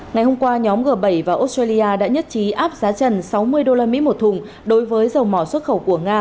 ngày hôm qua nhóm g bảy và australia đã nhất trí áp giá trần sáu mươi usd một thùng đối với dầu mỏ xuất khẩu của nga